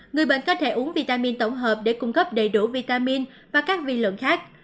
người bệnh có thể uống vitamin tổng hợp để cung cấp đầy đủ vitamin và các vi lượng khác